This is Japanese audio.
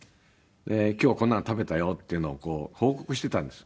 「今日はこんなの食べたよ」っていうのを報告してたんです。